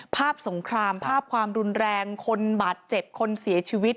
สงครามภาพความรุนแรงคนบาดเจ็บคนเสียชีวิต